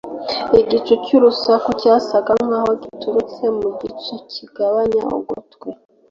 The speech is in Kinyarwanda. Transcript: igicu cy'urusaku cyasaga nkaho cyaturitse mu gice kigabanya ugutwi